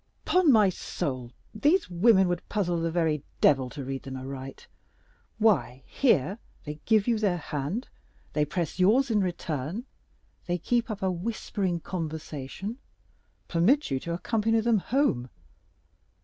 "Upon my soul, these women would puzzle the very Devil to read them aright. Why, here—they give you their hand—they press yours in return—they keep up a whispering conversation—permit you to accompany them home.